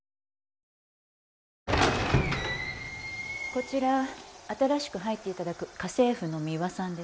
こちら新しく入って頂く家政婦のミワさんです。